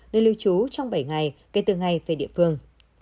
nơi lưu trú trong bảy ngày kể từ ngày về địa phương